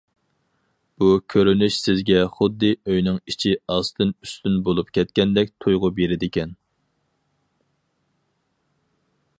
بۇ كۆرۈنۈش سىزگە خۇددى ئۆينىڭ ئىچى ئاستىن ئۈستۈن بولۇپ كەتكەندەك تۇيغۇ بېرىدىكەن.